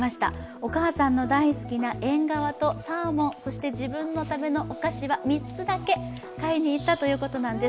お母さんの大好きなえんがわとサーモン、そして自分のためのお菓子は３つだけ買いにいったということです。